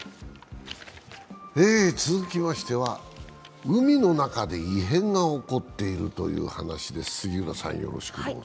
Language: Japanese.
続きましては海の中で異変が起こっているという話です。